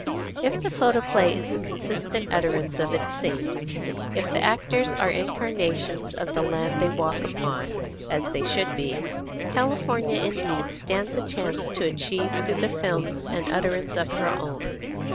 If the photoplay is the consistent utterance of its scenes, if the actors are incarnations of the land they walk upon, as they should be, California indeed stands a chance to achieve through the films an utterance of her own.